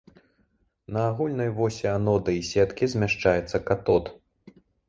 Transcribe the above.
На агульнай восі анода і сеткі змяшчаецца катод.